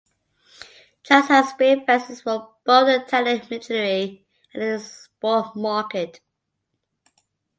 Drass has built vessels for both the Italian military and the export market.